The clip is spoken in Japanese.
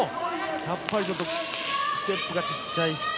やっぱりちょっとステップが小さいですね。